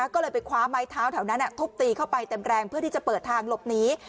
ก็เลยไปคว้าไม้เท้าแถวนั้นทุบตีเข้าไปเต็มแรงเพื่อที่จะเปิดทางหลบหนี